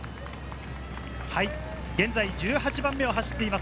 現在、１８番目を走っています